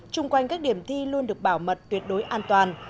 trung quanh các điểm thi luôn được bảo mật tuyệt đối an toàn